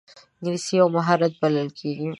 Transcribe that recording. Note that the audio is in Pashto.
انګلیسي یو مهارت بلل کېږي